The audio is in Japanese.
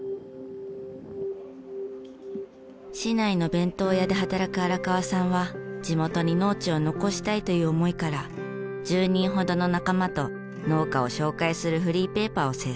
市内の弁当屋で働く荒川さんは地元に農地を残したいという思いから１０人ほどの仲間と農家を紹介するフリーペーパーを制作。